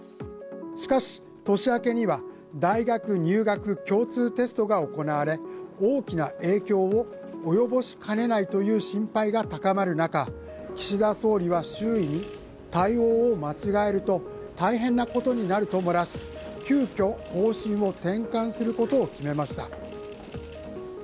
しかし、年明けには大学入試共通テストが行われ、大きな影響を及ぼしかねないという心配が高まる中、岸田総理は周囲に対応を間違えると大変なことになると漏らし、急きょ方針を転換することを決めました。